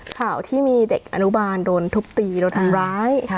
ข่าวที่มีเด็กอนุบาลโดนทุบตีโดนทำร้าย